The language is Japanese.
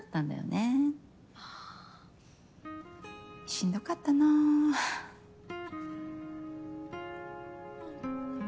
しんどかったなははっ。